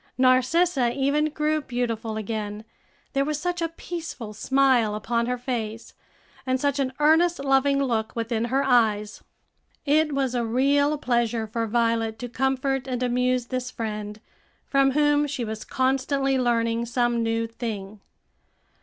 Narcissa even grew beautiful again, there was such a peaceful smile upon her face, and such an earnest, loving look within her eyes. It was a real pleasure for Violet to comfort and amuse this friend, from whom she was constantly learning some new thing.